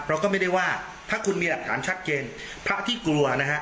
เราก็ไม่ได้ว่าถ้าคุณมีหลักฐานชัดเจนพระที่กลัวนะฮะ